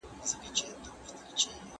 پر خپل پلار باندي شکمن سو ورپسې سو